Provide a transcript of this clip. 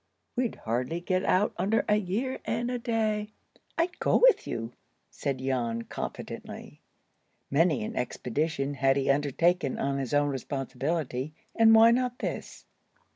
We'd hardly get out under a year and a day." "I'd go—with you," said Jan, confidently. Many an expedition had he undertaken on his own responsibility, and why not this?